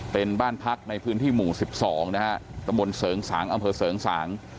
เป็นบ้านพักในพื้นที่หมู่๑๒นะฮะตะมนต์เสริงสางอำเภอเสริงสาง